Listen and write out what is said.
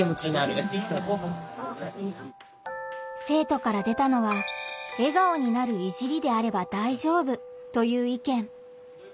生徒から出たのは「笑顔になる“いじり”であれば大丈夫」という意見。